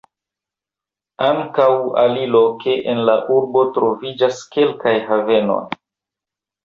Ankaŭ aliloke en la urbo troviĝas kelkaj havenoj.